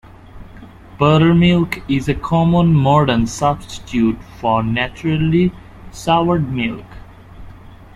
Buttermilk is a common modern substitute for naturally soured milk.